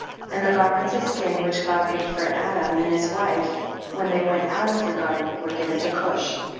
24. And the garments of skin which God made for Adam and his wife, when they went out of the garden, were given to Cush.